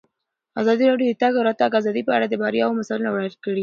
ازادي راډیو د د تګ راتګ ازادي په اړه د بریاوو مثالونه ورکړي.